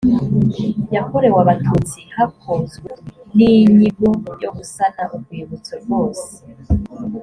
yakorewe abatutsi hakozwe n inyigo yo gusana urwibutso rwose